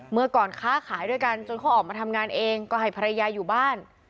เมื่อก่อนค้าขายด้วยกันจนเขาออกมาทำงานเองก็ให้ภรรยาอยู่บ้าน